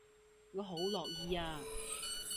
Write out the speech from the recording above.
我好樂意啊